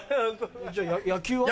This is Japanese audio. じゃあ野球は？